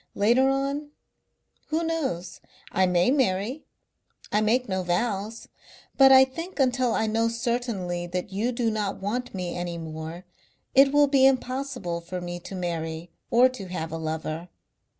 Later on, who knows? I may marry. I make no vows. But I think until I know certainly that you do not want me any more it will be impossible for me to marry or to have a lover.